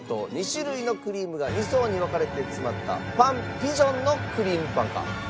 ２種類のクリームが二層に分かれて詰まったパン・ピジョンのクリームパンか？